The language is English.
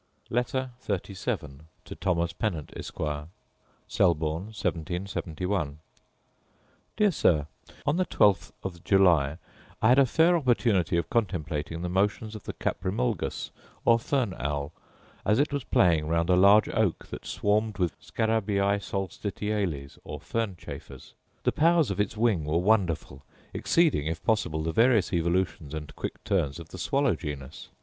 Letter XXXVII To Thomas Pennant, Esquire Selborne, 1771. Dear Sir, On the twelfth of July I had a fair opportunity of contemplating the motions of the caprimulgus, or fern owl, as it was playing round a large oak that swarmed with scarabaei solstitiales, or fern chafers. The powers of its wing were wonderful, exceeding, if possible, the various evolutions and quick turns of the swallow genus.